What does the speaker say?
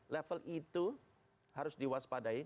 level itu harus diwaspadai